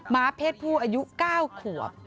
้าเพศผู้อายุ๙ขวบ